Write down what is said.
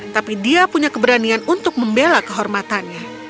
tapi dia punya keberanian untuk membela kehormatannya